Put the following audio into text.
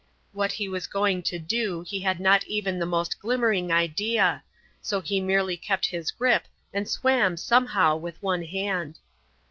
What he was going to do he had not even the most glimmering idea; so he merely kept his grip and swam somehow with one hand.